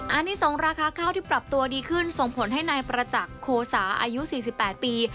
อันนี้ส่งราคาข้าวที่ปรับตัวดีขึ้นส่งผลให้นายประจักษ์โคสาอายุ๔๘ปี